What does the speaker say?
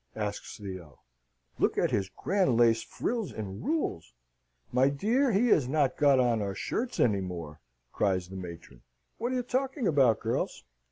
asks Theo. "Look at his grand lace frills and rules! My dear, he has not got on our shirts any more," cries the matron. "What are you talking about, girls?"